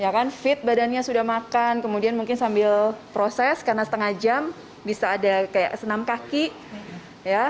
ya kan fit badannya sudah makan kemudian mungkin sambil proses karena setengah jam bisa ada kayak senam kaki ya